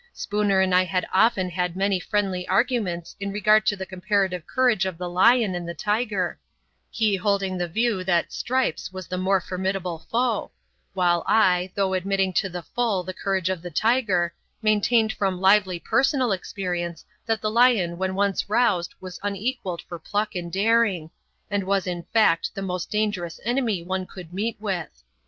Spooner and I had often had many friendly arguments in regard to the comparative courage of the lion and the tiger, he holding the view that "Stripes" was the more formidable foe, while I, though admitting to the full the courage of the tiger, maintained from lively personal experience that the lion when once roused was unequalled for pluck and daring, and was in fact the most dangerous enemy one could meet with.